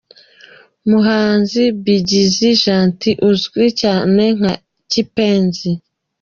Umuhanzi Bigizi Gentil uzwi cyane nka Kipenzi.